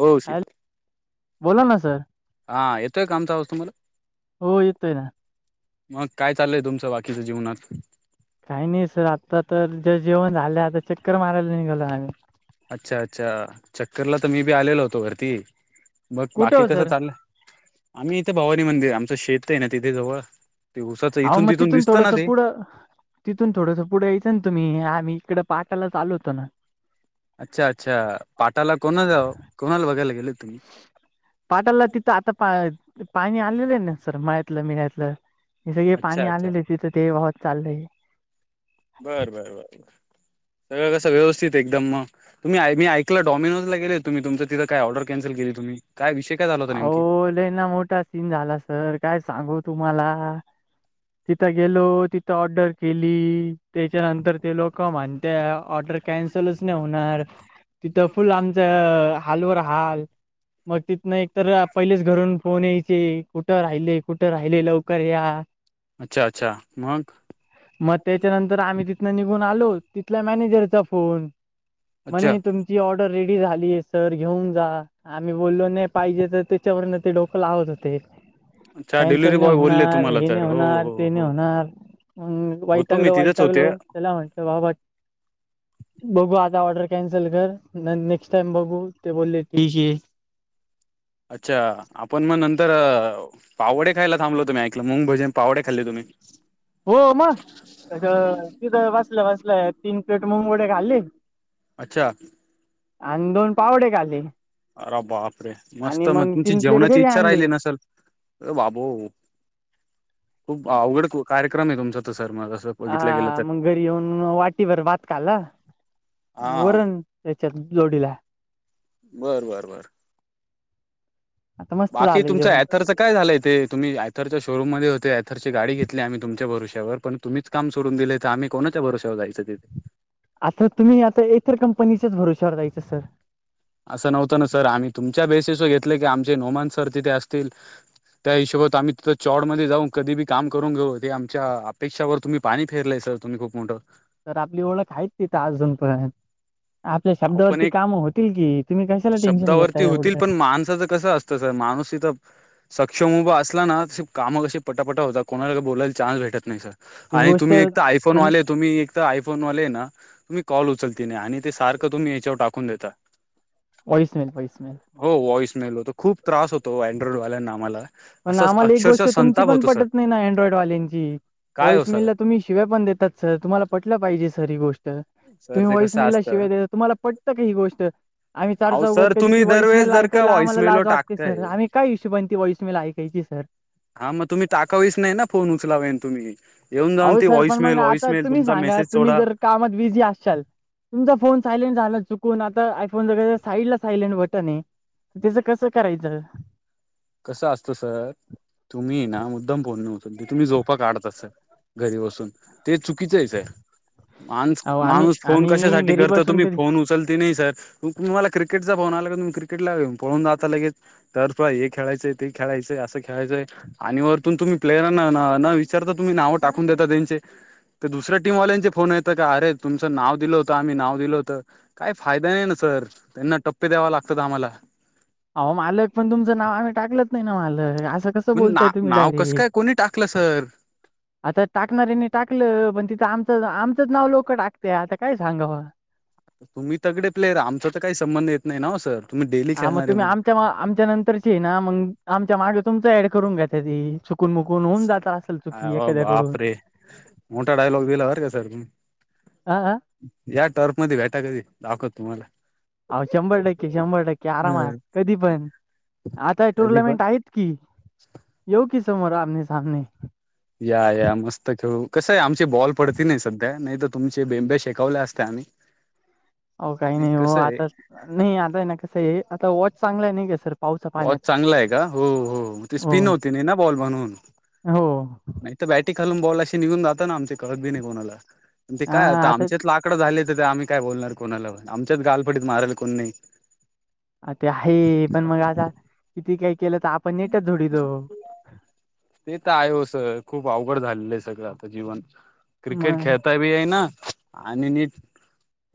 हो श हॅलो बोला ना सर हा येतोय कामचा ह तुम्हाला हो येतोय ना मग काय चाललंय तुमचं बाकीच्या जीवनात काही नाही सर आत्ता तर जर जेवण झाले आता चक्कर मारायला निघालोय आम्ही अच्छा -अच्छा चक्करला तर मी बी आलेलो होतो वरती मग कुठे बाकी हो कसं सर चाललंय आम्ही इथे भवानी मंदिर आमचं शेत आहे ना तिथे जवळ ते उसाचं ह इथून मग तिथून दिसतं ना थोडस ते पुढ. तिथून थोडंसं पुढे यायचं ना तुम्ही आम् इकडे पाठयला ल होतो ना. अच्छा अच्छा पाटाला कोणा जा कोणाला बघायला गेले तुम्ही पाटाला तिथं आता पाणी आलेलं आहे ना सर माळ्यातलं मिघतलं. हे सगळे अच्छा पाणी अच्छा आलेलं आहे तिथं ते वाहत चाललंय आहे. बरं बरं बरर सगळं कसं व्यवस्थित एकदम मग तुमहीी ऐक डमनोज ला गले तुम् तुम तिथं काए ऑर्र कनसल केली तु्ही. काय विषय काय. लयना मोठा सीन झाला सर काय सांगू तुम्हाला. तिथं गेलो तिथं ऑर्डर केली त्याच्यानंतर ते लोक म्हणत ऑर्डर. कॅन्सलच नाही होणार तिथं फुल आमच हालवर हल. मग तिथ नाही. तर पहिलेच घरून फोन यायचे कुठं राहिले कुठं राहिले लवकर या. अच्छा अच्छा मग. मग त्याच्यानंतर आम्ही तिथन निघून आलो तिथल्या मॅनेजरचा फोन. अच्छा म्हणे तुमची ऑर्डर रेडी झाली आहे सर घेऊन जा आम्ही बोललो नाही. पाहिजे तर त्याच्यावरन ते डोकं लावत होते. अच्छा कॅनसल डिलिव्हरी ने बॉय बोलले होणार तुम्हाला हे न तर हो होणार हो ते न हो होणार. हम् होतो मी वयतग्लो तिथेच होते वयतगलो तेला म्हत बाबा बघू आता ऑर्डर कॅन्सल कर नेक्स्ट टाइम बघू ते बोलले तीश. अच्छा आपण मग नंतर पावडे खायला थांबलो तुम्ही ऐकलं मंग भजन पावडे खाल्ले तुम्ही. हो मग अ तिथं वाचलं वाचलं तीन प्लेट मुंगोडे खाल्ली. अच्छा. आणि दोन पावडे खाली. अर बापरे मस्त मग तुमची तीन प्लेट जेवणाची घरी इच्छा आणली राहिली नसल. अर बाबू खूप अवघड कार्यक्रम आहे तुमचा तर सर मगसं. हा मग घरी येऊन वाटीवर बातकाला हा वरण. त्याच्यात जोडीला. बर बर बर. आता मस्त बाकी झालंय जेवण तुमचं थरच. काय झालं इथ ते तुम्ही आयथरच्या शोरूममध्ये होते यथरची गाडी घेतली आम्ही तुमच्या भरुश्यावर पण तुम्हीच काम सडून दिलेय आम्ही कोणाच्या भरोरसेवर जायचं तिे आता तुम्ही आता इतर कंपनीच्याच भरोश्यावर जा्यायचं सर. असं नव्हतं ना सर आम्ही तुमच्या बेसीसवर घेतले की आमचे नोमान सर तिथे असतील. त्या हिशोबात आम्ही तिथं चॉडमध्ये जाऊन कधी काम करून घेऊ हे आमच्या अपेक्षावर तुम्ही. पाणी फिरलंय सर तुम्ही खूप मोठं. तर आपली ओळख आहेच तिथं अजूनपर्यंत. आपल्या अहो पण शब्दावरती एक काम होतील कि तुम्ही कशाला टेन्शन घेता एवढं. माणसाच कं असत मनुस तर सक्षम उभा असला ना तशी कामं के पटापटा होतात कोणाला काही बोलायला न्स भेटत नाही सर. ही आणि गोष्ट तुम्ही एक तर तुम आयफोनवाले तुम्ही एक आयफोनवाले ना तुम्ही कॉल उचलते नाही आणि ते सार तुम्ही याच्यावर टाकून देता. व्हॉइसमेल व्हॉइसमेल हो वॉईस मेल होतो खूप त्रास होतो अँड्रॉइडवाल्यांना आम्हाला. पण असंच आम्हाला एक अक्षरशः गोष्ट तुमची संताप पण होतो सर पटत नाही ना अँड्रॉइडवाल्यांची काय हो वॉइस सर मिलत तुम्ही शिव्या पण देतात सर तुम्हाला पटलं पाहिजे सर ही गोष्ट सर तुम्ही ते वॉईस कसं मिेलला असतं शिवाय द तुम्हाला पटत का ही गोष्ट. आम्ही चार अहो चौगत सर कधी ती तुम्ही वॉईस दरवेळेस मे जर का ऐकायला आम्हाला व्हॉइसमेलो लाज वाटते टाकताय सर आम्ही काय इशूण ती वॉईस. मला ऐकायची सर. हा मग तुम्ही टाकावीस नाही ना फोन उचलावेन तुम्ही. येऊन जाऊन अहो त सर पण वॉईसमेल मग आता व्हाॉइसमेल तुम्ही तुमचा सांगा मेसेज तुम्ही सोडा. जर कामात बिझी असल तुमचा फोन सायलेंट झाला चुकून आता आयफोन ज साईड ला सायलेंट बटन आहे. त्याचं कसं करायचं. कसं असतो सर तुम्ही ना मुद्दम पोहन नवत तुम्ही जोपा काढताात सर. घरी बसून ते चुकीचं आहे सर. माणूस अहो आम्ही माणूस फोन आम्ही कशासाठी घरी करता बसून तुम्ही कधी फोन उचलते नाही सर त तु्हाला क्रिकेटचा फोन आला तुम्ही क्रिकेटला पळून जाता लगे तर त एक खेळायं ते खेळायचें असं खेळायचंय आणि वरतून तुम्ही प्लेयरांना न विचारता तुम्ही नावं टाकून देता त्यांचे ते दुसऱ्या टीमवाल्यांचे फोन येतं का अर तुमचं नाव दिलं होतं आम्ही नाव दिलं होतं काय फायदा नाही ना सर त्यांना टप्पे द्यावा लागतात आम्हाला हो मालक पण तुमचं नाव आम्ही टाकलत नाही ना मालक असं कस मण ना नाव कसं काय कोणी टाकलं सर. आता टाकणाऱ्यांनी टाकलं पण तिथं आमचं आमचंच नाव लोक टाकते आता काय सांगा तुम्ही तगडे प्लेर आमचा तर काही संबंध येत नाही ना सर तुम्ही डेली हा मग खेळणारे तुम्ही मुलं आमच्या आमच्या नंतरची ना मग आमच्या मागे तुमच ऍड करून घ्या त्या त कु मुकोून अ वा बाप रे मोठाडाईलोग वेला वर का सर प ह ह या टर्फ मध्ये भेटा कधी दाखवत तुम्हाला अह शंभर टक्के शंभर टक्के आरामात हम्म कधी पण आता कधी पण टुर्नामेंट आहेत कि येऊ की समोर आमने सामने या या मस्त खेळू कसं आहे आमची बॉल पडती नाही सध्या नाही तर तुमचे बेंबे शेकवले असतेम्ही हो काही नाही हो आता नाही आता आहे ना कसं आहे आता वॉच चांगला आहे नाही घ सर पावसा वॉच पाण्यात चांगला आहे का हो हो ते हो स्पिन होते नाही ना बॉल म्हणून हो नाही बॅटी घालून बॉल अशी निघून जाता ना आमचे कळत ब नाही कोणाला ते काय आता आमचे ला आकड झा तर तर आम्ही काय बोलणार कोणाला आमच्यात गालपडीत मारायला कोण नाही अ ते आहे पण मग आता किती काय केलं तर आपण नेटच ोडीतो ते तर आहेयस खूप अवघड झालेलं आहे सगळं आता जीवन क्रिकेट मग खेळताय आणि नीट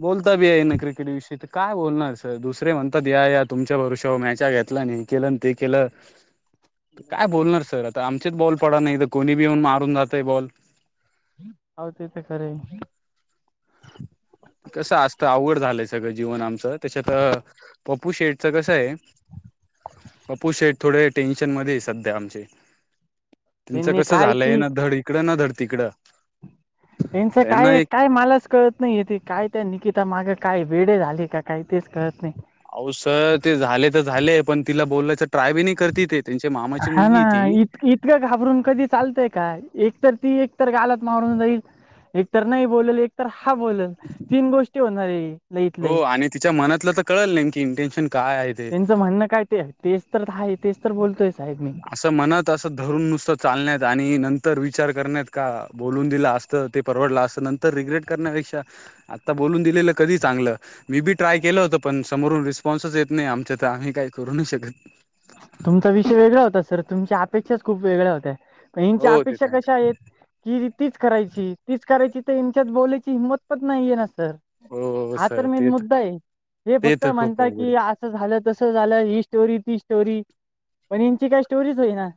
बोलता बी आहे ना क्रिकेट विषयी तर काय बोलणार सर दुसरे म्हणतात या या तुमच्या भरष मॅच्या घेत केतला हे केलं न ते केलं काय बोलणार सर आता आमचेच बॉल पडा नाही तर कोणी बी येऊन मारून जातय बॉल ह ते ते खरे कसं असतं अवघड झालंच सगळं जीवन आमचं त्याच्यात पप्पू शेडच कसं आहे अप्ू शे थोडे टेन्शन मध्ये सध्या आमचे तुमचं त्यांनी कसं काय झालंय ती ना धड इकडं ना धड तिकडं. त्यांचं त्यांना काय एक काय मलाच कळत नाहीय तेे काय त्या नििकिल ता माग काही वेळे झाली का काही तेच कळत नाही अहो सर ते झाले तर झाले पण तिला बोलायच ट्राय बी नाही करती ते त्यांची मामाची मुलगी ती इतकं इतकं घाबरून कधी चालतय काय एकतर ती एकतर गालत मारून जाईल एक तर नाही बोलेल एक तर हा बोलेल तीन गोष्टी होणार आहे लईत लई हो आणि तिच्या मनातलं तर कळल नाही की इंटेन्शन काय आहे ते त्यांचं म्हणणं काय ते तेच तर आहे तेच तर बोलतोय साहेब मी असं म्हणत असं धरून नुसतं चालण्यात आणि नंतर विचार करण्यात का बोलून दिला असत ते परवडलं असत नंतर रिग्रेट करण्यापेक्षा बोलून दिलेलं कधी चांगलं मी बी ट्राय केलं होत पण समरून स्पॉन्सस येत नाही आमच्या तर आम्ही काही करू नाही शकत तुमचा वेगळा होता सर तुमच्या अपेक्षाच खूप वेगळ्या होत्या पण यांच्या हो ते अपेक्षा तर कशा आहे आहेत कि तीच करायची तीच करायची तर यांच्यात बोलायची हिंमत पण नाहीये ना सर हो हा तर सर मेन ते मुद्दा आहे हे ते फक्त तर खूप म्हणता अवघड की आहे अस झालं तस झालं ही स्टोरी ती स्टोरी पण यांची काय स्टोरीच होईना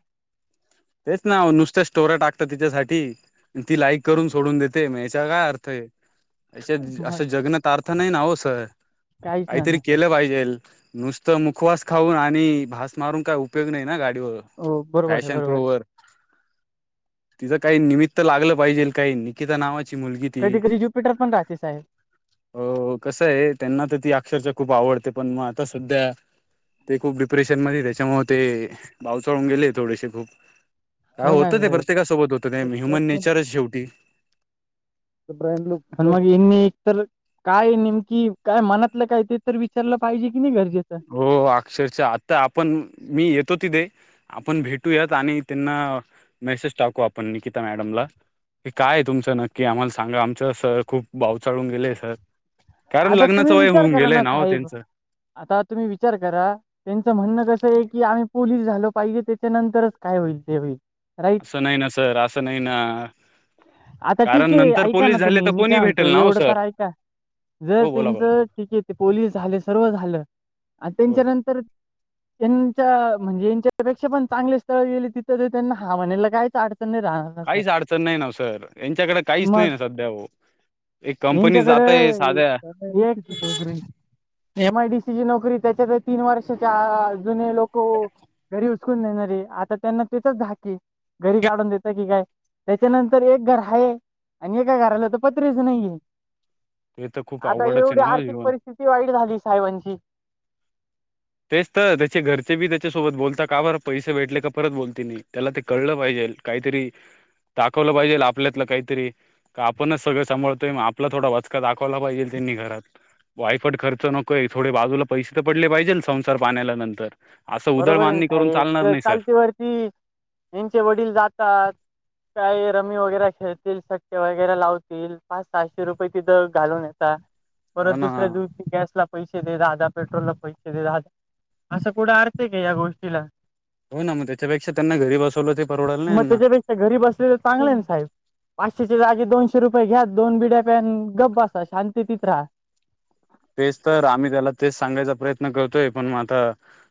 तेच ना वो नुसत्या स्टोऱ्या टाकतात तिच्यासाठी ती लाईक करून सोडून देते मग याचा काय अर्थ आहे याच्या मग असं जगण्यात अर्थ आ नाही ना हो सर काहीच नाही काहीतरी ना सर केलं पाहिजेल. नुसतं मुखवास खाऊन आणि भास मारून काय उपयोग नाही ना गाडीवर हो बरोबर आहे फॅशन बरोबर आहे. प्रोवर तिचं काही निमित्त लागलं पाहिजे काही निकिता नाव आहे तिचं. कधी कधी्युपिटर पण राहते साहेब हो कसं आहे त्यांना तर ती अक्षरशः खूप आवडते पण मग आता सध्या ते खूप डिप्रेशनमध्येध त्याच्यामुळ ते भाव चळून गेले थोडेसे खूप काय हो ना होतं ते सर प्रत्येकासोबत होतं ते ह्युमन नेचरच शेवटी ब्रईंड लुकण मग इनीत. काय नेमकी काय मनातलं काय ते तरी विचारलं पाहिजे कि नाही गरजेचं. हो अक्षरश आत्ता आपण मी येतो तिथे आपण भेटूयात आणि त्यांना मेसेज टाकू आपण निकिता मॅडमला काय तुमचं नक्की आम्हाला सांगा आमचं सर खूप भाव चळून गेलेय सर. कारण आता तुम्ही लग्नाचं वय विचार होऊन करा गेलंय ना नव साहेब त्यांचं आता तुम्ही विचार करा त्यांचं म्हणणं कसं आहे की आम्ही पोलीस झाल पाहिजे त्याच्यानंतरच काय होईल ते होईल राईट सन आहे ना सर अस नाही ना. आता कारण ठीक आहे नंतर ऐका पोलीस ना झाले तुम्ही तर मी काय कोणी म्हणतो भेटेल ना हो एवढं सर तर ऐका. जर हो बोला त्यांच बोला ठीक आहे ते पोलीस झाले सर्व झालं आणि हो त्यांच्यानंतर त्यांच्या म्हणजे यांच्यापेक्षा पण चांगले स्थळ गेले तिथं ते त्यांना हा म्हनला काहीच अडचण नाही राहणार. ना सर काहीच अडचण नाही ना व सर यांच्याकडे काहीच नाही मग ना सध्या हो एक कंपनी जातय साध्या यांच्याकडे एक नोकरी एम आयडीसीची नोकरी त्याच्यात तीन वर्षाच्या जुने लोक घरी उचकून देणारे आता त्यांना तेचाच धाक आहे. घरी काढून देत की काय त्याच्यानंतर एक घर आहे आणि एका घराला तर पत्रेच नाहीये. ते तर खूप आता अवघडच आहे एवढी ना हो आर्थिक जीवन परिस्थिती वाईट झाली साहेबांची तेच तर त्याचे घरचे बी त्याच्यासोबत बोलता का बरं पैसे भेटले का परत बोलते नाही त्याला ते कळलं पाहिजेल. काहीतरी दाखवलं पाहिजे आपल्यातलं काहीतरी का आपणच सगळं सांभाळतोय आपला थोाचका दाखवला पाहिजे त्यांनी घरात वायफट खर्च नकोय थोडे बाजूला पैसे तर पडले पाहिजे संसार पाण्याला नंतर असं उदळ बरोबर आहे मानणी करून साहेब चालणार ज नाही सर चालती वरती यांचे वडील जातात. काही रमी वगैरे खेळतील सटके वगैरे लावतील पाच सहाशे रुपये तिथं घालून येत. ह. परत हो ना दुसऱ्या दिवशी गॅसला पैसे दे द पेट्रोलला पैसे दे द असं कुठं अर्थ का या गोष्टीला हो ना मग त्याच्यापेक्षा त्यांना घरी बसवलं ते परवडाल ना मग यांना घरी बसले तर चांगले ना साहेब पाचशेचे जागे दोनशे रुपये घ्या दोन बिड्या प्या गप्प असा शांती तित राहा. तेच तर आम्ही त्याला तेच सांगायचा प्रयत्न करतोय पण मग आता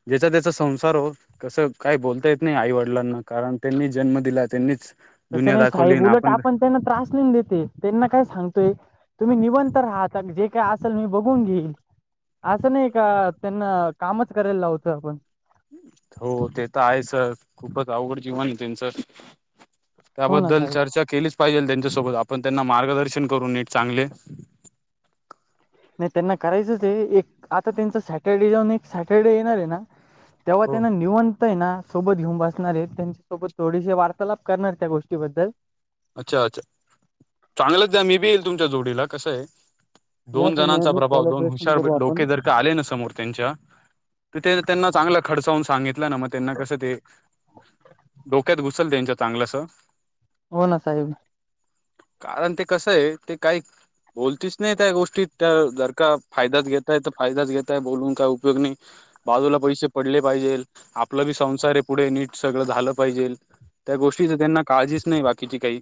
ज्याचा त्याचा संसार हो. कसं काही बोलता येत नाही आईवडिलांना कारण त्यांनी जन्म दिला त्यांनीच तसं दुनिया नाही दाखवली साईब ना उलट आपण त्यांना त्रास नाहीन देते. त्यांना काय सांगतोय तुम्ही निबंंत राहता जे काय असेल मी बघून घेईल. असं नाही का त्यांना कामच करायला लावतं आपण हो ते तर आहे सर खूपच अवघड जीवन त्यांचं हो ना त्याबद्दल साहेब. चर्चा केलीच पाहिजेल त्यांच्यासोबत आपण त्यांना मार्गदर्शन करू नीट चांगले. नाही त्यांना करायचंच आहे एक आता त्यांच सॅटर्डे जाऊन एक सॅटरडे येणार आहे ना. तेव्हा हो त्यांना निऊन कां हाय ना सोबत घेऊन बसणारे त्यांच्यासोबत थोडीशी वार्तालाप करणार त्या गोष्टीबद्दल अच्छा अच्छा चांगलंच जा मी बी येईल तुमच्या जोडीला कसंय या दोन तुम्ही जणांचा आम्ही प्रभाव दोन कोलॅबरेशन हुशार करू आपण. डोके जर का आले ना समोर त्यांच्या त ते त्यांना चांगलं खडचावून सांगितला ना म त्यांना कसं ते डोक्यात घुसल त्यांच्या चांगलंस हो ना चालेल ना कारण ते कसंय ते काईक बोलतीच नाय त्या गोष्टीत त्या जर का फायद्याचं घेताय त फायदाच घेताय बोलून काय उपयोग नाय. बाजूला पैसे पडले पाहिजेल आपला बी संसार ये. पुढे नीट सगळं झालं पाहिजेल त्या गोष्टीच त्यांना काळजीच नाही बाकीची काही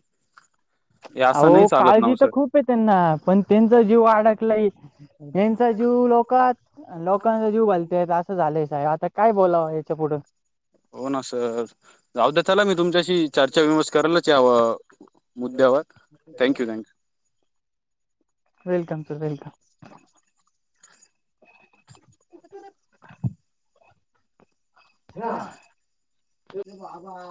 हे असं नाही आहो चालत काळजी नाव तर सर खूप त्यांना पण त्यांचा जीव अडकला त्यांचा जीव लोकं कात लोकांचा जीव घालत्यात असं झालंय साहेब आता काय बोलावं याच्या पुुढं हो ना सर जाऊ द्या चला मी तुमच्याशी चर्चा विवस करलच यावं मुद्यावत thank you thank you welcome sir welcome [inaudible] हा ते बाबा